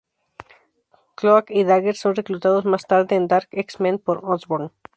Cloak y Dagger son reclutados más tarde en Dark X-Men por Osborn.